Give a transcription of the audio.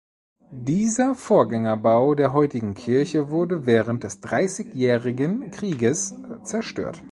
Dieser Vorgängerbau der heutigen Kirche wurde während des Dreißigjährigen Krieges zerstört.